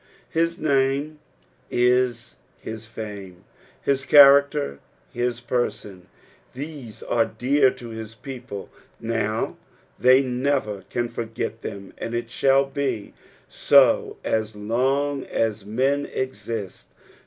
His name is his fame, hia character, his person ; these are dear to his people now — they never can forget them ; and it shall be BO as long as men exist.